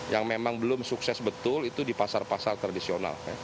yang memang belum sukses betul itu di pasar pasar tradisional